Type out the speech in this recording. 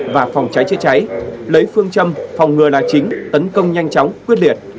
và phòng cháy chữa cháy lấy phương châm phòng ngừa là chính tấn công nhanh chóng quyết liệt